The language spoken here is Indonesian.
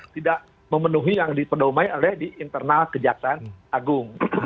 tidak memenuhi yang diperdomai oleh di internal kejaksaan agung